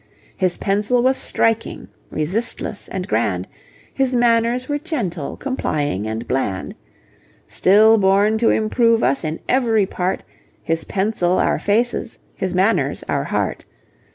His pencil was striking, resistless and grand; His manners were gentle, complying and bland; Still born to improve us in every part, His pencil our faces, his manners our heart.